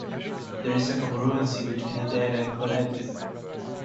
There is a congruency between the data collected.